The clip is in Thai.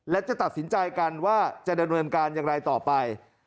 และจะตัดสินใจกันว่าจะดำเนินการอย่างไรต่อไป